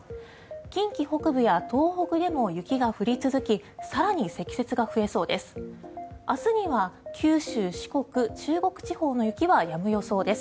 近畿北部や東北でも雪が降り続き更に積雪が増えそうです。